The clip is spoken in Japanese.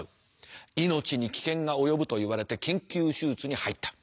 命に危険が及ぶと言われて緊急手術に入った。